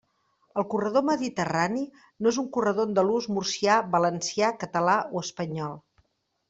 El corredor mediterrani no és un corredor andalús, murcià, valencià, català o espanyol.